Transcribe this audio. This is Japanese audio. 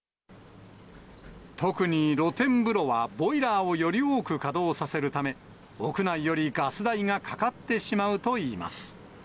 特に、露天風呂はボイラーをより多く稼働させるため、屋内よりガス代がかかってしまうといいます。